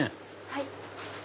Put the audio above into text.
はい。